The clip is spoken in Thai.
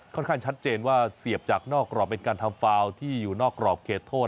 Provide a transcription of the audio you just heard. ค่อนข้างชัดเจนว่าเสียบจากนอกกล่อมเป็นการทำฟาวที่อยู่นอกกล่อมเขตโทษ